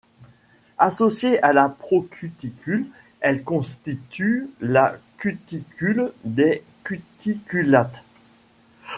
Associé à la procuticule elle constitue la cuticule des cuticulates.